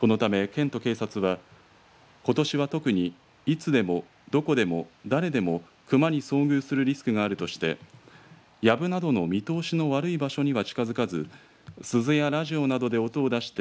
このため県と警察はことしは特にいつでも、どこでも、誰でもクマに遭遇するリスクがあるとしてやぶなどの見通しの悪い場所には近づかず鈴やラジオなどで音を出して